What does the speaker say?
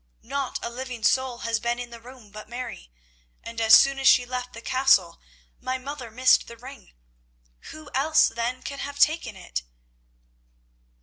Not a living soul has been in the room but Mary, and as soon as she left the Castle my mother missed the ring. Who else, then, can have taken it?"